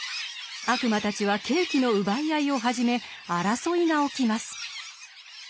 悪魔たちはケーキの奪い合いを始め争いが起きます。